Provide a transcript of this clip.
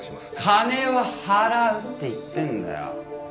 金は払うって言ってんだよ！